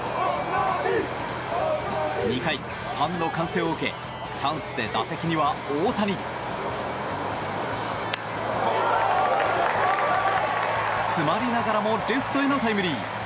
２回、ファンの歓声を受けチャンスで打席には大谷。詰まりながらもレフトへのタイムリー。